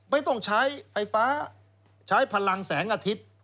ไม่ต้องใช้ไฟฟ้าใช้พลังแสงอาทิตย์